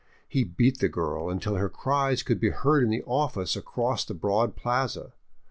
He beat the girl until her cries could be heard in the office across the broad plaza.